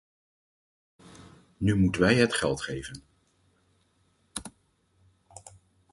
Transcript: Nu moeten wij het geld geven?